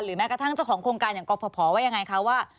แม้กระทั่งเจ้าของโครงการอย่างกรฟภว่ายังไงคะว่า